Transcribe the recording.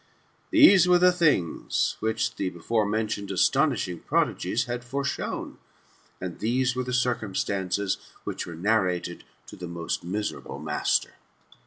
These were the things which the [before mentioned] astonishing prodigies had foreshown; and these were the circumstances which were narrated to the most miserable master.